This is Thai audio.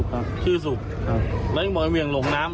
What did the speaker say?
เองชื่ออะไรวะชื่อสุบครับชื่อสุบครับแล้วยังบอกว่าเวียงหลงน้ำ